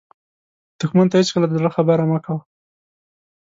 دښمن ته هېڅکله د زړه خبره مه کوه